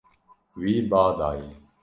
Wî ba daye.